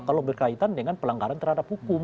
kalau berkaitan dengan pelanggaran terhadap hukum